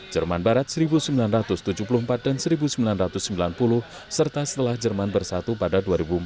jerman barat seribu sembilan ratus tujuh puluh empat dan seribu sembilan ratus sembilan puluh serta setelah jerman bersatu pada dua ribu empat belas